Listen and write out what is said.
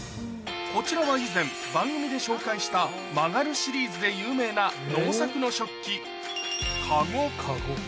こちらは以前番組で紹介した曲がるシリーズで有名な能作の食器ＫＡＧＯ